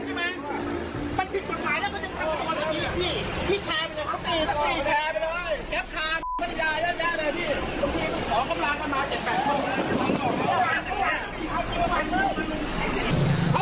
อ๋อคำล้าคำล้าเจ็ดแปดเข้าคำล้าเจ็ดแปด